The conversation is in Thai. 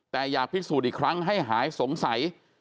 แต่อยากพิสูจน์อีกครั้งให้หายสงสัย